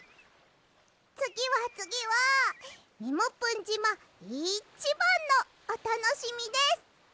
つぎはつぎはみもぷんじまいちばんのおたのしみです！